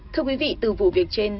thưa quý vị từ vụ việc trên